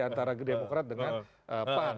antara demokrat dengan pan